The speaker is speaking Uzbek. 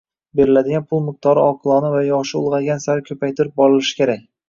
• Beriladigan pul miqdori oqilona va yoshi ulg‘aygan sari ko‘paytirib borilish kerak.